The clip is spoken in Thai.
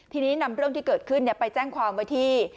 ทีนี้นำเรื่องที่เกิดขึ้นไปแจ้งความไว้ที่